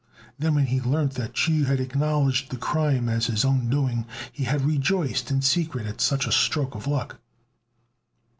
Then when he learnt that Chu had acknowledged the crime as his own doing, he had rejoiced in secret at such a stroke of luck.